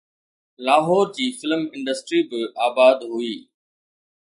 لاهور جي film industry به آباد هئي.